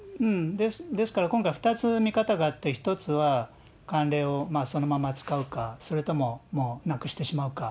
ですから今回、２つ見方があって、１つは慣例をそのまま使うか、それとももうなくしてしまうか。